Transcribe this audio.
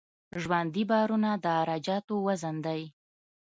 ژوندي بارونه د عراده جاتو وزن دی